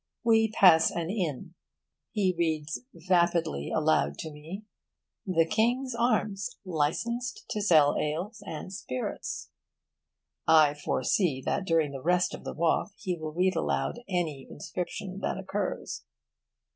We pass an inn. He reads vapidly aloud to me: 'The King's Arms. Licensed to sell Ales and Spirits.' I foresee that during the rest of the walk he will read aloud any inscription that occurs.